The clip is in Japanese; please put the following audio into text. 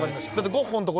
ゴッホのとこ？